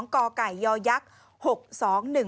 ก่อไก่ย่อยักษ์๖๒๑๘